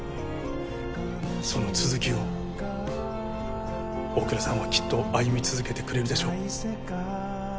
その続きを大倉さんはきっと歩み続けてくれるでしょう。